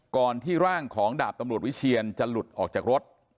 ก่อนที่ร่างของดาบตำรวจวิเชียนจะหลุดออกจากรถ